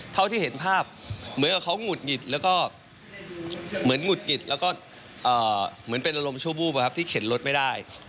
เท่าที่เห็นภาพเหมือนกับเขาหงุดหงิดแล้วก็เหมือนหงุดหงิดแล้วก็เหมือนเป็นอารมณ์ชั่ววูบที่เข็นรถไม่ได้